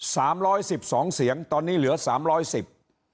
สามร้อยสิบสองเสียงตอนนี้เหลือสามร้อยสิบ